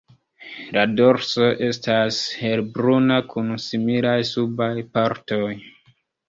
La dorso estas helbruna kun similaj subaj partoj.